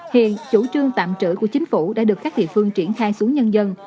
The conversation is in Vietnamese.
hiện chủ trương tạm trữ của chính phủ đã được các địa phương triển khai xuống nhân dân